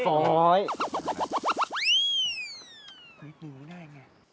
โอ้ยไอ้ฟ้อย